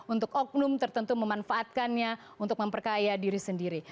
untuk oknum tertentu memanfaatkannya untuk memperkaya diri sendiri